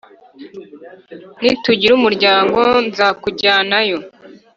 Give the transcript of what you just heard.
nitugira umuryango nzakujyanayo